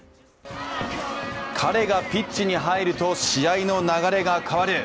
彼がピッチに入ると試合の流れが変わる。